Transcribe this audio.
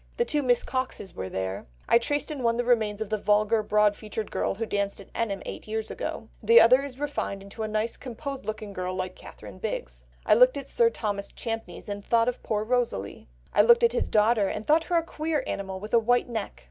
The two Miss Coxes were there; I traced in one the remains of the vulgar, broad featured girl who danced at Enham eight years ago; the other is refined into a nice composed looking girl like Catherine Bigg. I looked at Sir Thomas Champneys and thought of poor Rosalie; I looked at his daughter, and thought her a queer animal with a white neck."